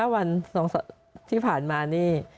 วัน๒ที่ผ่านมานี่